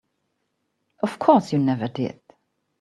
Of course you never did.